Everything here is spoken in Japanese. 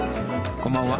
こんばんは。